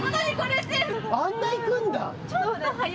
あんなに行くんだ。